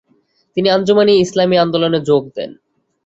তিনি আঞ্জুমান-ই-ইসলামিয়া আন্দোলনে যোগ দেন।